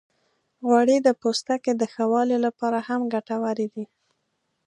غوړې د پوستکي د ښه والي لپاره هم ګټورې دي.